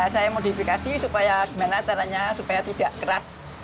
saya modifikasi supaya tidak keras